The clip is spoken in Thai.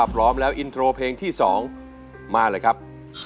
พร้อมแล้วอินโทรเพลงที่๒มาเลยครับ